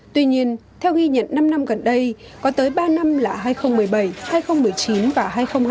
tuy nhiên theo ghi nhận năm năm gần đây có tới ba năm là hai nghìn một mươi bảy hai nghìn một mươi chín và hai nghìn hai mươi